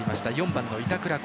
４番の板倉滉。